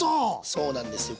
そうなんですよ。